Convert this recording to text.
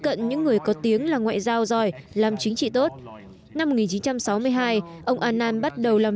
cận những người có tiếng là ngoại giao giỏi làm chính trị tốt năm một nghìn chín trăm sáu mươi hai ông annan bắt đầu làm